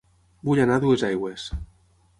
Vull anar a Duesaigües